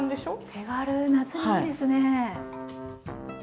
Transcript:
手軽夏にいいですね。